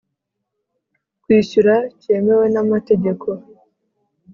kwishyura cyemewe n amategeko